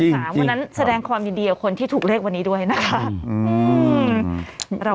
วันนั้นแสดงความยินดีกับคนที่ถูกเลขวันนี้ด้วยนะคะ